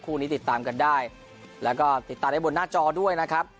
คู่นี้ติดตามกันได้แล้วก็ติดตามได้บนหน้าจอด้วยนะครับ